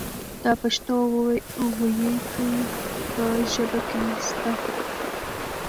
دا پښتو وييکي په ژبه کې سته.